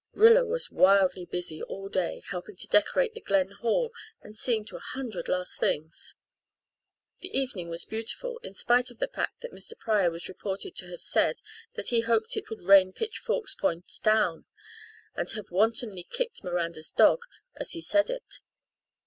Rilla was wildly busy all day, helping to decorate the Glen hall and seeing to a hundred last things. The evening was beautiful, in spite of the fact that Mr. Pryor was reported to have said that he "hoped it would rain pitch forks points down," and to have wantonly kicked Miranda's dog as he said it.